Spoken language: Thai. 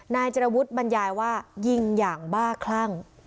นายเจรวุฒิบรรยายว่ายิงอย่างบ้าคลั่ง